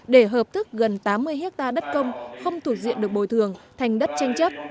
để hợp thức gần tám mươi hectare đất công không thuộc diện được bồi thường thành đất tranh chấp